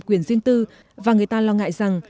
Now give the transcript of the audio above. quyền riêng tư và người ta lo ngại rằng